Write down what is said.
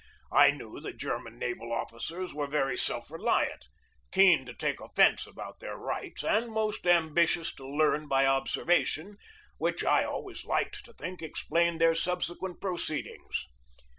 I knew the German naval officers were very self reliant, keen to take offence about their rights, and most ambitious to learn by observation, which I always liked to think explained their subsequent proceedings.